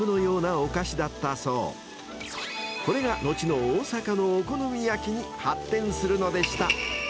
［これが後の大阪のお好み焼きに発展するのでした］